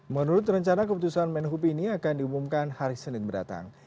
menurut rencana keputusan menhub ini akan diumumkan hari senin mendatang